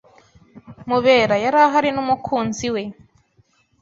Mubera yari ahari n'umukunzi we.